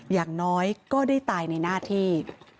อย่างน้อยก็ได้ตายในหน้าที่